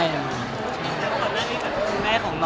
ภูมิหน่อยค่ะ